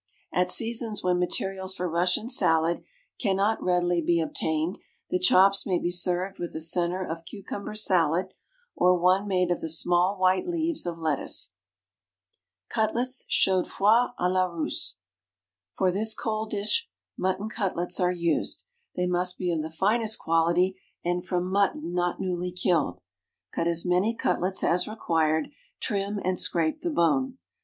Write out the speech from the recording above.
At seasons when materials for Russian salad cannot readily be obtained the chops may be served with a centre of cucumber salad, or one made of the small white leaves of lettuce. Cutlets Chaudfroid à la Russe. For this cold dish mutton cutlets are used. They must be of the finest quality, and from mutton not newly killed. Cut as many cutlets as required, trim, and scrape the bone.